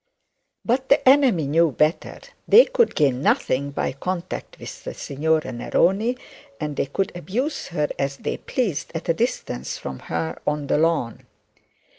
But the enemy knew better. They could gain nothing be contact with the signora Neroni, and they could abuse her as they pleased at a distance from her on the lawn.